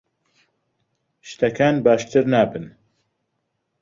شتەکان باشتر نابن.